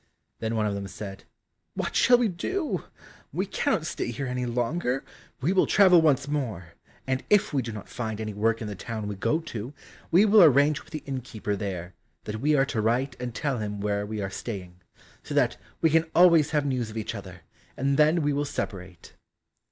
Then one of them said, "What shall we do? We cannot stay here any longer, we will travel once more, and if we do not find any work in the town we go to, we will arrange with the innkeeper there, that we are to write and tell him where we are staying, so that we can always have news of each other, and then we will separate."